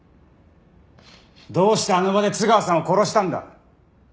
どうしてあの場で津川さんを殺したんだ！？